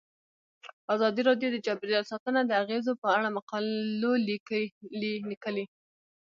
ازادي راډیو د چاپیریال ساتنه د اغیزو په اړه مقالو لیکلي.